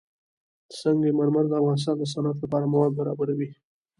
سنگ مرمر د افغانستان د صنعت لپاره مواد برابروي.